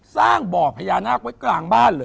สร้างบ่อพญานาคไว้กลางบ้านเลย